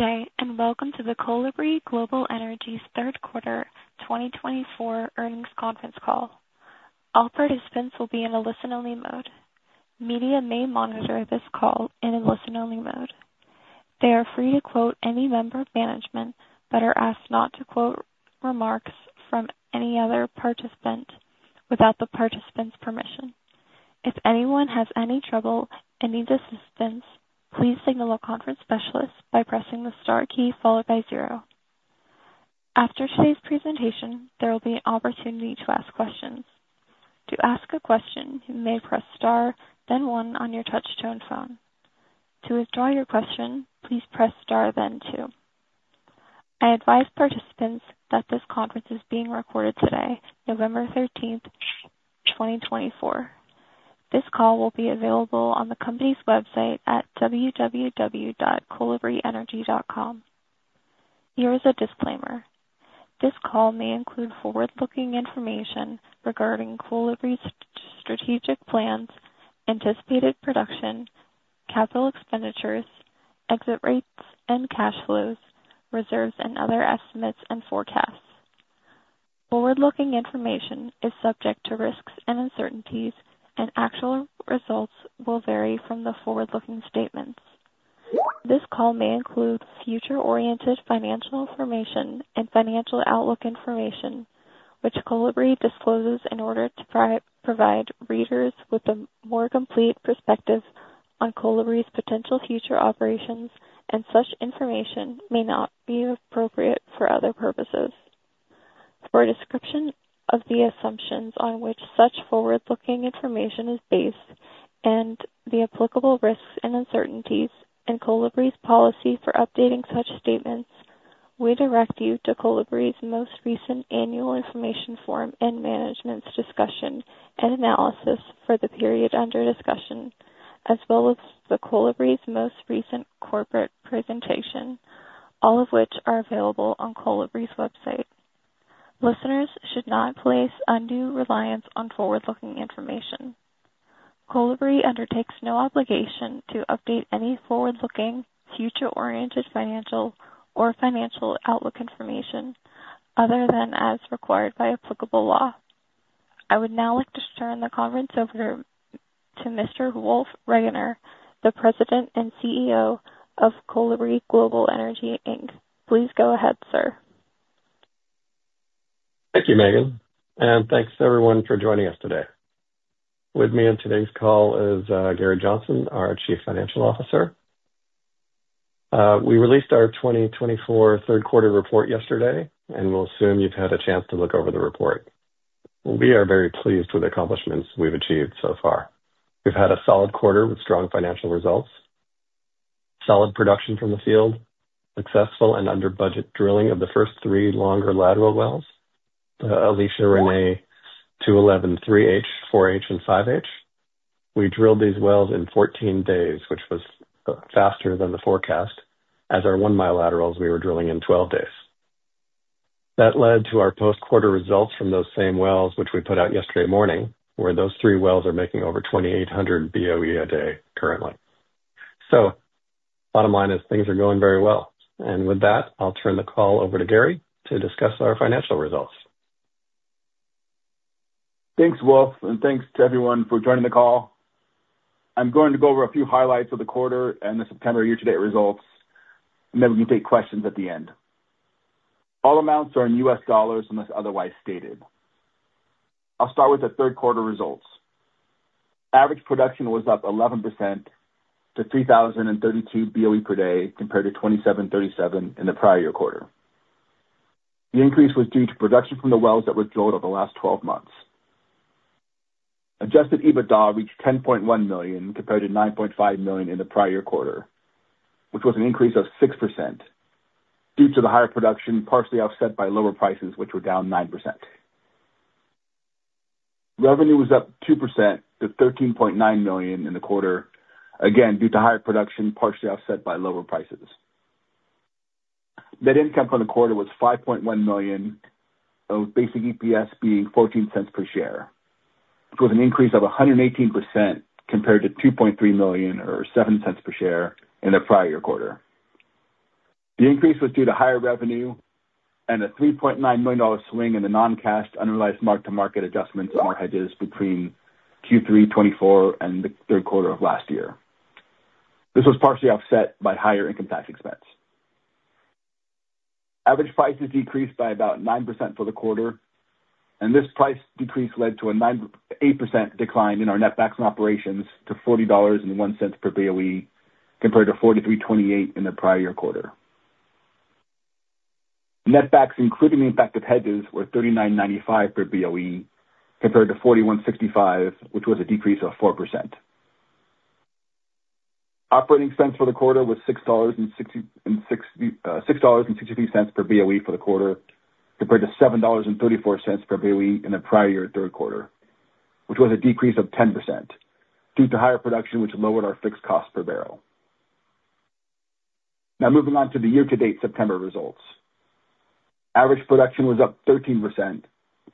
Good day, and welcome to the Kolibri Global Energy's Third Quarter 2024 Earnings Conference Call. All participants will be in a listen-only mode. Media may monitor this call in a listen-only mode. They are free to quote any member of management but are asked not to quote remarks from any other participant without the participant's permission. If anyone has any trouble and needs assistance, please signal a conference specialist by pressing the star key followed by zero. After today's presentation, there will be an opportunity to ask questions. To ask a question, you may press star, then one on your touch-tone phone. To withdraw your question, please press star, then two. I advise participants that this conference is being recorded today, November 13th, 2024. This call will be available on the company's website at www.kolibrienergy.com. Here is a disclaimer. This call may include forward-looking information regarding Kolibri's strategic plans, anticipated production, capital expenditures, exit rates, and cash flows, reserves, and other estimates and forecasts. Forward-looking information is subject to risks and uncertainties, and actual results will vary from the forward-looking statements. This call may include future-oriented financial information and financial outlook information, which Kolibri discloses in order to provide readers with a more complete perspective on Kolibri's potential future operations, and such information may not be appropriate for other purposes. For a description of the assumptions on which such forward-looking information is based and the applicable risks and uncertainties in Kolibri's policy for updating such statements, we direct you to Kolibri's most recent annual information form and management's discussion and analysis for the period under discussion, as well as Kolibri's most recent corporate presentation, all of which are available on Kolibri's website. Listeners should not place undue reliance on forward-looking information. Kolibri undertakes no obligation to update any forward-looking, future-oriented financial or financial outlook information other than as required by applicable law. I would now like to turn the conference over to Mr. Wolf Regener, the President and CEO of Kolibri Global Energy Inc. Please go ahead, sir. Thank you, Megan. And thanks, everyone, for joining us today. With me on today's call is Gary Johnson, our Chief Financial Officer. We released our 2024 third quarter report yesterday, and we'll assume you've had a chance to look over the report. We are very pleased with the accomplishments we've achieved so far. We've had a solid quarter with strong financial results, solid production from the field, successful and under-budget drilling of the first three longer lateral wells, the Alicia Renee 21-1 3H, 4H, and 5H. We drilled these wells in 14 days, which was faster than the forecast, as our one-mile laterals we were drilling in 12 days. That led to our post-quarter results from those same wells, which we put out yesterday morning, where those three wells are making over 2,800 BOE a day currently. So bottom line is things are going very well. With that, I'll turn the call over to Gary to discuss our financial results. Thanks, Wolf, and thanks to everyone for joining the call. I'm going to go over a few highlights of the quarter and the September year-to-date results, and then we can take questions at the end. All amounts are in U.S. dollars unless otherwise stated. I'll start with the third quarter results. Average production was up 11% to 3,032 BOE per day compared to 2,737 in the prior year quarter. The increase was due to production from the wells that were drilled over the last 12 months. Adjusted EBITDA reached $10.1 million compared to $9.5 million in the prior year quarter, which was an increase of 6% due to the higher production, partially offset by lower prices, which were down 9%. Revenue was up 2% to $13.9 million in the quarter, again due to higher production, partially offset by lower prices. Net income for the quarter was $5.1 million, with basic EPS being $0.14 per share, which was an increase of 118% compared to $2.3 million or $0.07 per share in the prior year quarter. The increase was due to higher revenue and a $3.9 million swing in the non-cash underlying mark-to-market adjustments and derivatives between Q3 2024 and the third quarter of last year. This was partially offset by higher income tax expense. Average prices decreased by about 9% for the quarter, and this price decrease led to an 8% decline in our netback from operations to $40.01 per BOE compared to $43.28 in the prior year quarter. Netback, including the impact of hedges, were $39.95 per BOE compared to $41.65, which was a decrease of 4%. Operating expense for the quarter was $6.63 per BOE for the quarter compared to $7.34 per BOE in the prior year third quarter, which was a decrease of 10% due to higher production, which lowered our fixed cost per barrel. Now, moving on to the year-to-date September results. Average production was up 13%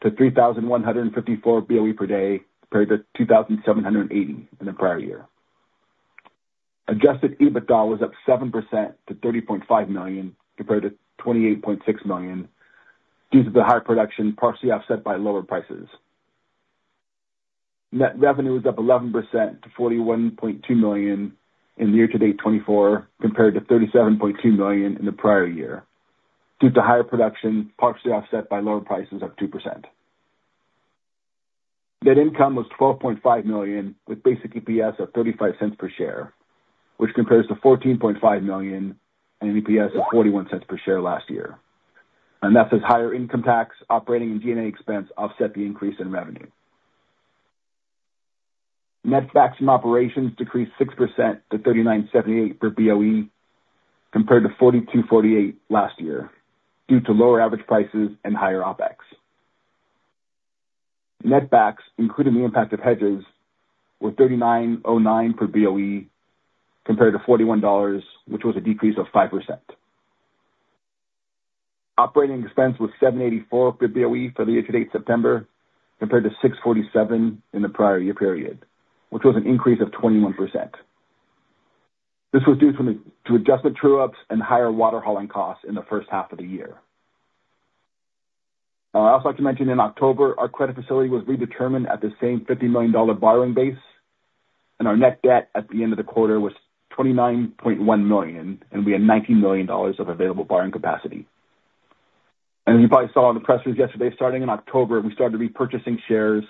to 3,154 BOE per day compared to 2,780 in the prior year. Adjusted EBITDA was up 7% to $30.5 million compared to $28.6 million due to the higher production, partially offset by lower prices. Net revenue was up 11% to $41.2 million in the year-to-date 2024 compared to $37.2 million in the prior year due to higher production, partially offset by lower prices of 2%. Net income was $12.5 million with basic EPS of $0.35 per share, which compares to $14.5 million and an EPS of $0.41 per share last year. That's as higher income tax, operating, and DD&A expense offset the increase in revenue. Netback from operations decreased 6% to $39.78 per BOE compared to $42.48 last year due to lower average prices and higher OpEx. Netback, including the impact of hedges, were $39.09 per BOE compared to $41, which was a decrease of 5%. Operating expense was $7.84 per BOE for the year-to-date September compared to $6.47 in the prior year period, which was an increase of 21%. This was due to adjustment true-ups and higher water hauling costs in the first half of the year. I also like to mention in October, our credit facility was redetermined at the same $50 million borrowing base, and our net debt at the end of the quarter was $29.1 million, and we had $19 million of available borrowing capacity. As you probably saw on the press release yesterday, starting in October, we started repurchasing shares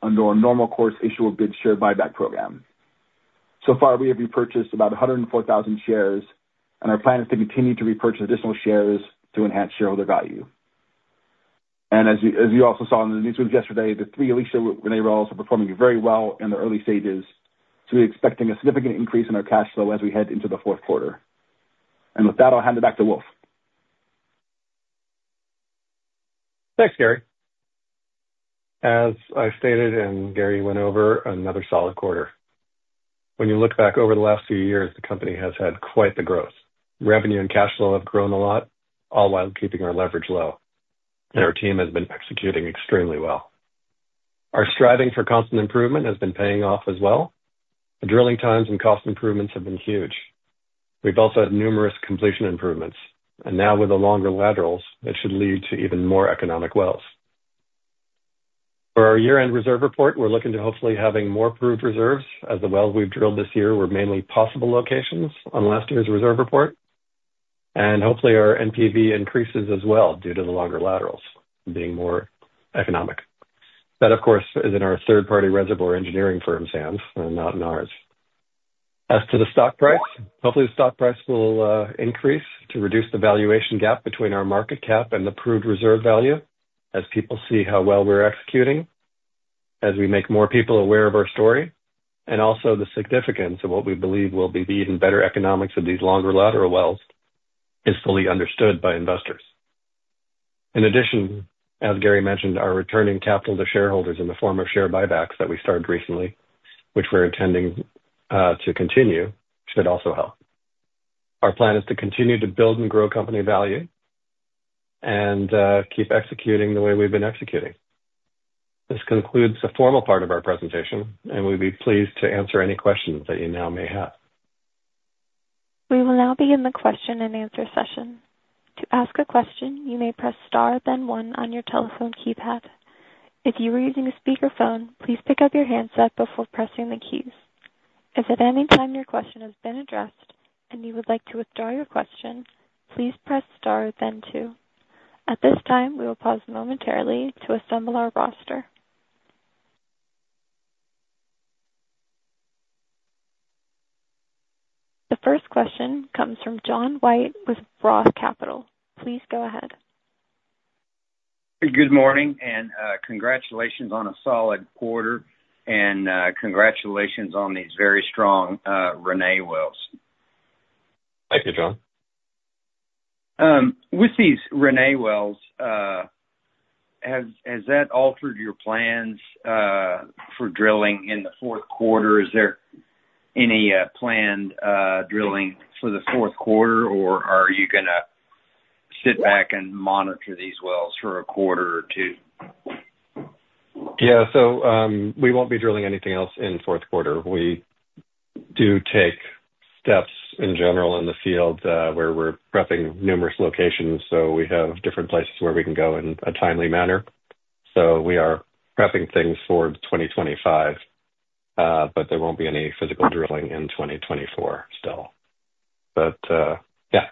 under our Normal Course Issuer Bid share buyback program. So far, we have repurchased about 104,000 shares, and our plan is to continue to repurchase additional shares to enhance shareholder value, and as you also saw on the news yesterday, the three Alicia Renee wells are performing very well in the early stages, so we're expecting a significant increase in our cash flow as we head into the fourth quarter, and with that, I'll hand it back to Wolf. Thanks, Gary. As I stated and Gary went over, another solid quarter. When you look back over the last few years, the company has had quite the growth. Revenue and cash flow have grown a lot, all while keeping our leverage low, and our team has been executing extremely well. Our striving for constant improvement has been paying off as well. The drilling times and cost improvements have been huge. We've also had numerous completion improvements, and now with the longer laterals, it should lead to even more economic wells. For our year-end reserve report, we're looking to hopefully have more proved reserves as the wells we've drilled this year were mainly possible locations on last year's reserve report, and hopefully, our NPV increases as well due to the longer laterals being more economic. That, of course, is in our third-party reservoir engineering firm's hands and not in ours. As to the stock price, hopefully, the stock price will increase to reduce the valuation gap between our market cap and the proved reserve value as people see how well we're executing, as we make more people aware of our story, and also the significance of what we believe will be the even better economics of these longer lateral wells is fully understood by investors. In addition, as Gary mentioned, our returning capital to shareholders in the form of share buybacks that we started recently, which we're intending to continue, should also help. Our plan is to continue to build and grow company value and keep executing the way we've been executing. This concludes the formal part of our presentation, and we'd be pleased to answer any questions that you now may have. We will now begin the question and answer session. To ask a question, you may press star, then one on your telephone keypad. If you are using a speakerphone, please pick up your handset before pressing the keys. If at any time your question has been addressed and you would like to withdraw your question, please press star, then two. At this time, we will pause momentarily to assemble our roster. The first question comes from John White with Roth Capital. Please go ahead. Good morning, and congratulations on a solid quarter, and congratulations on these very strong Renee wells. Thank you, John. With these Renee wells, has that altered your plans for drilling in the fourth quarter? Is there any planned drilling for the fourth quarter, or are you going to sit back and monitor these wells for a quarter or two? Yeah, so we won't be drilling anything else in fourth quarter. We do take steps in general in the field where we're prepping numerous locations, so we have different places where we can go in a timely manner. So we are prepping things for 2025, but there won't be any physical drilling in 2024 still. But yeah.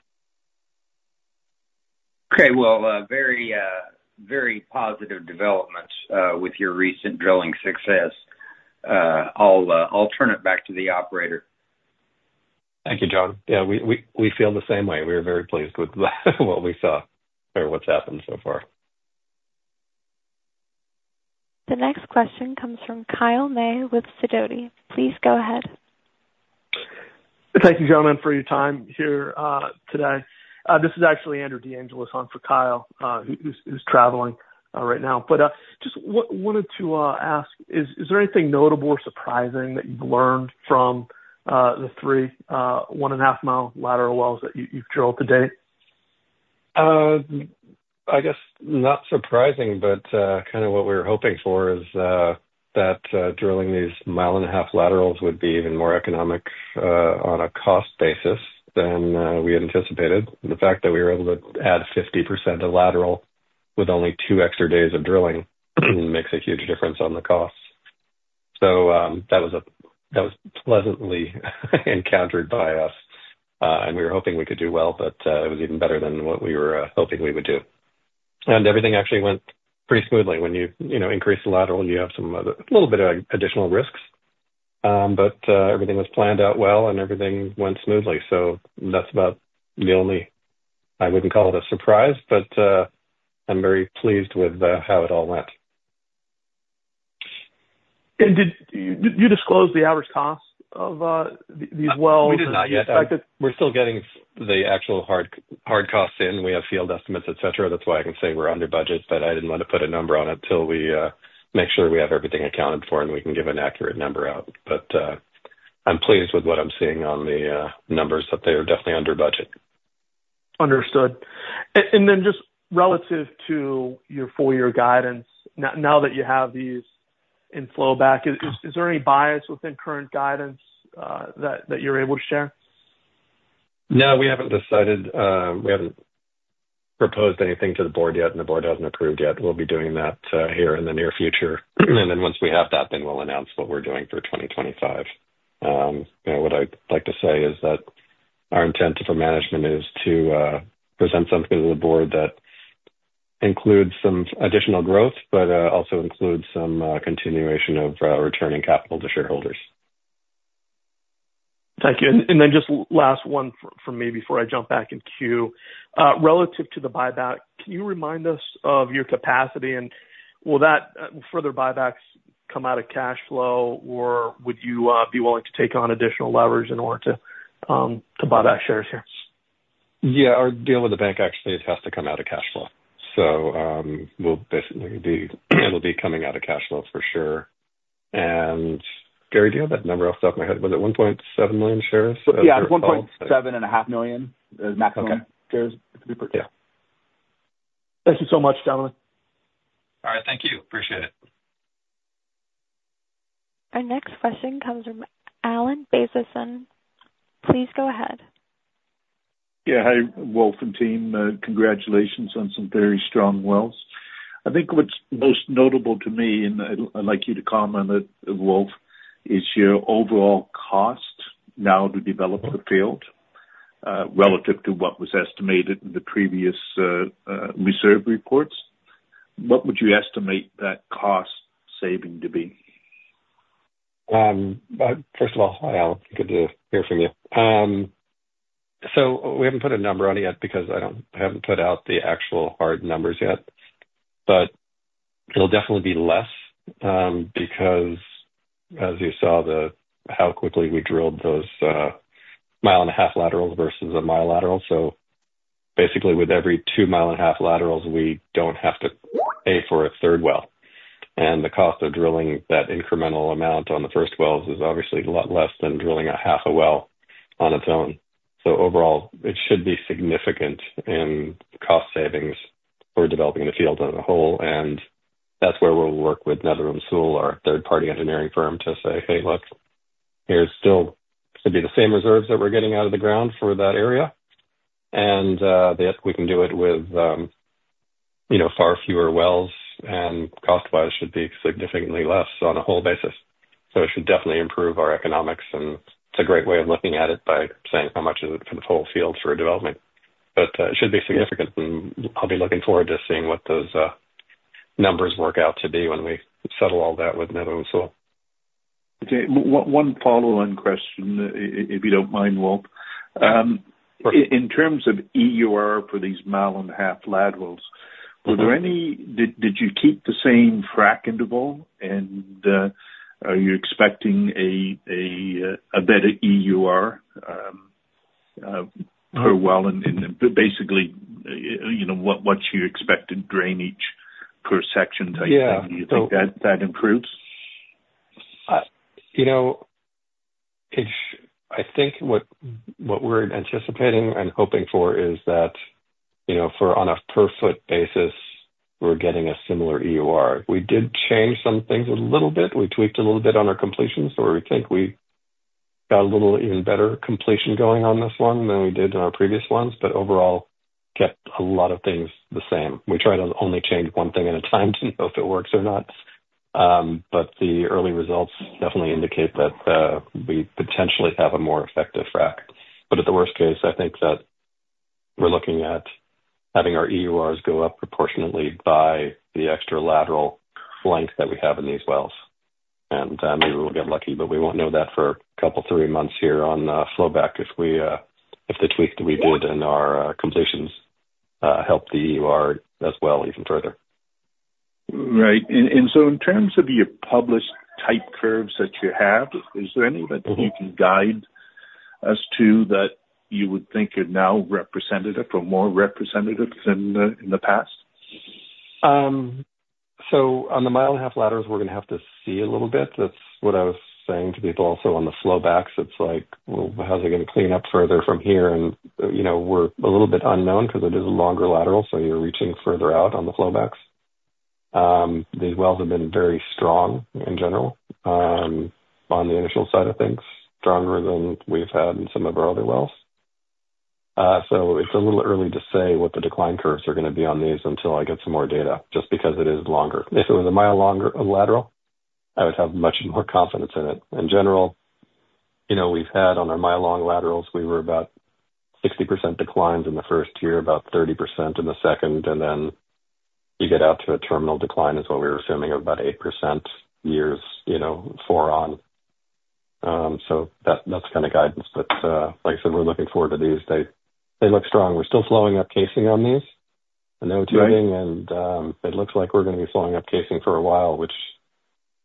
Okay, well, very positive developments with your recent drilling success. I'll turn it back to the operator. Thank you, John. Yeah, we feel the same way. We are very pleased with what we saw or what's happened so far. The next question comes from Kyle May with Sidoti. Please go ahead. Thank you, gentlemen, for your time here today. This is actually Andrew DeAngelis on for Kyle, who's traveling right now, but just wanted to ask, is there anything notable or surprising that you've learned from the three one-and-a-half-mile lateral wells that you've drilled to date? I guess not surprising, but kind of what we were hoping for is that drilling these mile-and-a-half laterals would be even more economic on a cost basis than we anticipated. The fact that we were able to add 50% of lateral with only two extra days of drilling makes a huge difference on the cost. So that was pleasantly encountered by us, and we were hoping we could do well, but it was even better than what we were hoping we would do. And everything actually went pretty smoothly. When you increase the lateral, you have a little bit of additional risks, but everything was planned out well and everything went smoothly. So that's about the only. I wouldn't call it a surprise, but I'm very pleased with how it all went. Did you disclose the average cost of these wells? We did not yet. We're still getting the actual hard costs in. We have field estimates, etc. That's why I can say we're under budget, but I didn't want to put a number on it till we make sure we have everything accounted for and we can give an accurate number out. But I'm pleased with what I'm seeing on the numbers that they are definitely under budget. Understood. And then just relative to your four-year guidance, now that you have these in flowback, is there any bias within current guidance that you're able to share? No, we haven't decided. We haven't proposed anything to the board yet, and the board hasn't approved yet. We'll be doing that here in the near future. And then once we have that, then we'll announce what we're doing for 2025. What I'd like to say is that our intent for management is to present something to the board that includes some additional growth, but also includes some continuation of returning capital to shareholders. Thank you. And then just last one for me before I jump back in queue. Relative to the buyback, can you remind us of your capacity? And will further buybacks come out of cash flow, or would you be willing to take on additional leverage in order to buy back shares here? Yeah, our deal with the bank actually has to come out of cash flow. So it'll be coming out of cash flow for sure, and Gary, do you have that number off the top of my head? Was it 1.7 million shares? Yeah, 1.5 million maximum shares to be purchased. Yeah. Thank you so much, gentlemen. All right, thank you. Appreciate it. Our next question comes from Allan Bezanson. Please go ahead. Yeah, hi, Wolf and team. Congratulations on some very strong wells. I think what's most notable to me, and I'd like you to comment on it, Wolf, is your overall cost now to develop the field relative to what was estimated in the previous reserve reports. What would you estimate that cost saving to be? First of all, Al, good to hear from you. So we haven't put a number on it yet because I haven't put out the actual hard numbers yet, but it'll definitely be less because, as you saw, how quickly we drilled those mile-and-a-half laterals versus a mile lateral. So basically, with every two mile-and-a-half laterals, we don't have to pay for a third well. And the cost of drilling that incremental amount on the first wells is obviously a lot less than drilling a half a well on its own. So overall, it should be significant in cost savings for developing the field as a whole. And that's where we'll work with Netherland, Sewell, our third-party engineering firm, to say, "Hey, look, here's still going to be the same reserves that we're getting out of the ground for that area, and we can do it with far fewer wells, and cost-wise should be significantly less on a whole basis." So it should definitely improve our economics, and it's a great way of looking at it by saying how much is it for the whole field for development. But it should be significant, and I'll be looking forward to seeing what those numbers work out to be when we settle all that with Netherland, Sewell. Okay, one follow-on question, if you don't mind, Wolf. In terms of EUR for these mile-and-a-half laterals, did you keep the same frac interval, and are you expecting a better EUR per well? And basically, what's your expected drainage per section type thing? Do you think that improves? I think what we're anticipating and hoping for is that on a per-foot basis, we're getting a similar EUR. We did change some things a little bit. We tweaked a little bit on our completion, so we think we got a little even better completion going on this one than we did in our previous ones, but overall, kept a lot of things the same. We try to only change one thing at a time to know if it works or not, but the early results definitely indicate that we potentially have a more effective frac. But at the worst case, I think that we're looking at having our EURs go up proportionately by the extra lateral length that we have in these wells. Maybe we'll get lucky, but we won't know that for a couple of three months here on the flowback if the tweaks that we did in our completions help the EUR as well even further. Right. And so in terms of your published type curves that you have, is there any that you can guide us to that you would think are now representative or more representative than in the past? So on the mile-and-a-half laterals, we're going to have to see a little bit. That's what I was saying to people also on the flowbacks. It's like, "Well, how's it going to clean up further from here?" And we're a little bit unknown because it is a longer lateral, so you're reaching further out on the flowbacks. These wells have been very strong in general on the initial side of things, stronger than we've had in some of our other wells. So it's a little early to say what the decline curves are going to be on these until I get some more data, just because it is longer. If it was a mile-long lateral, I would have much more confidence in it. In general, we've had on our mile-long laterals we were about 60% declines in the first year, about 30% in the second, and then you get out to a terminal decline, which is what we were assuming of about 8% per year from then on. So that's kind of guidance. But like I said, we're looking forward to these. They look strong. We're still flowing up casing on these and no tubing, and it looks like we're going to be flowing up casing for a while, which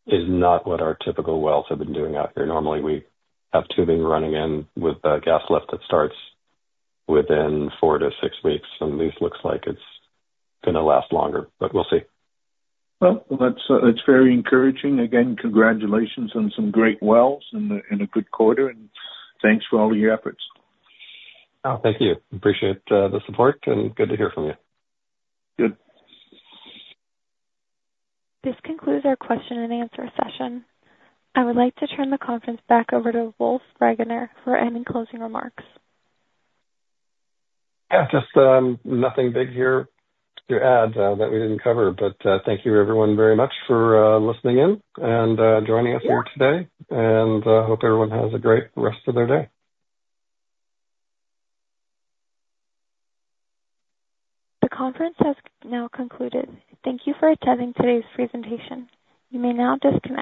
is not what our typical wells have been doing out here. Normally, we have tubing running in with a gas lift that starts within four to six weeks, and this looks like it's going to last longer, but we'll see. That's very encouraging. Again, congratulations on some great wells in a good quarter, and thanks for all of your efforts. Oh, thank you. Appreciate the support and good to hear from you. Good. This concludes our question and answer session. I would like to turn the conference back over to Wolf Regener for any closing remarks. Yeah, just nothing big here to add that we didn't cover, but thank you everyone very much for listening in and joining us here today, and I hope everyone has a great rest of their day. The conference has now concluded. Thank you for attending today's presentation. You may now disconnect.